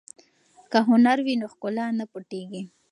که هنر وي نو ښکلا نه پټیږي.